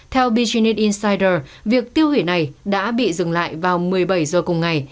theo bgn insider việc tiêu hủy này đã bị dừng lại vào một mươi bảy giờ cùng ngày